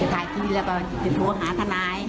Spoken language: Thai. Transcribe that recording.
ถ่ายทีแล้วก็จะโทรหาทนาย